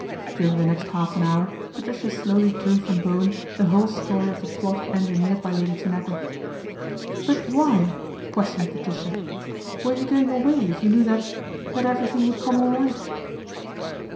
During the next half an hour Patricia slowly '\ drew from Bowen the whole story of the plot engineered by Lady Tanagra. " But why," questioned Patricia, " were you going away if you knew that that everything would come all right